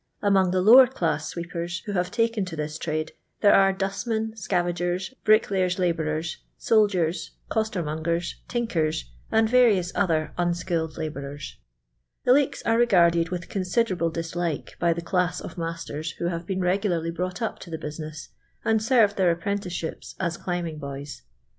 Among the lower clai'S sweepers who have taken to this trad< , there are dustmen, scavag rs, bricklayrri* labourers, soMiers. costt r mongers, tinkers, and various other unskilled labouHTs. The Ireks are reparded witli considrrable dis like by the class of nuisters who have been regu larly brought up to the business, and served their apprenticeships as climbing boys.